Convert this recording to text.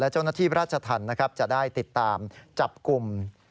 เจ้าหน้าที่ราชธรรมนะครับจะได้ติดตามจับกลุ่ม